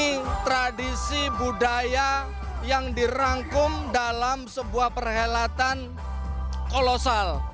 ini tradisi budaya yang dirangkum dalam sebuah perhelatan kolosal